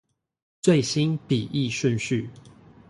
最新筆譯順序